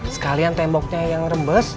sekalian temboknya yang rembes